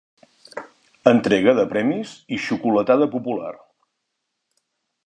Entrega de premis i xocolatada popular.